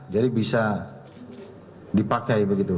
jadi bisa dipakai